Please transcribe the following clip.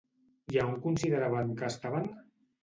I a on consideraven que estaven?